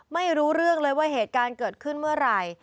ไม่รู้เรื่องเลยว่าเหตุการณ์เกิดขึ้นเมื่อไหร่